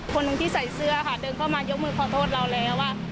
คนหนึ่งที่ใส่เสื้อค่ะเดินเข้ามายกมือขอโทษเราแล้ว